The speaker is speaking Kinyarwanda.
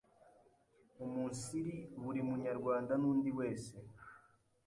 umunsiri buri munyarwanda n’undi wese